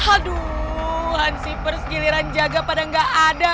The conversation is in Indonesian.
aduh hansi pers giliran jaga pada gak ada